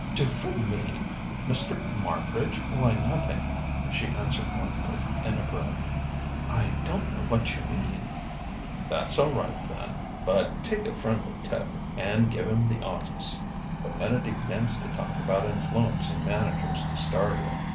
"Do for me? Mr. Marbridge? Why, nothing," she answered blankly, in a breath. "I don't know what you mean." "That's all right then. But take a friendly tip, and give him the office the minute he begins to talk about influencing managers to star you.